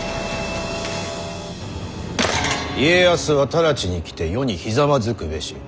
家康は直ちに来て余にひざまずくべし。